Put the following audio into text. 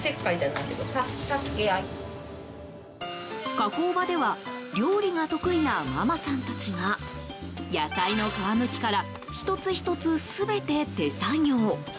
加工場では料理が得意なママさんたちが野菜の皮むきから１つ１つ、全て手作業。